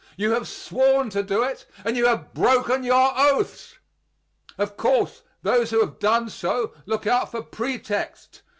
You have sworn to do it, and you have broken your oaths. Of course, those who have done so look out for pretexts.